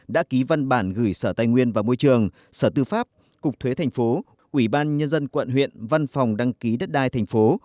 đã ký văn bản gửi sở tài nguyên và môi trường sở tư pháp cục thuế thành phố ủy ban nhân dân quận huyện văn phòng đăng ký đất đai thành phố